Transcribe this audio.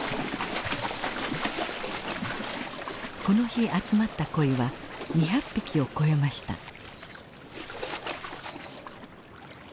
この日集まったコイは２００匹を超えました。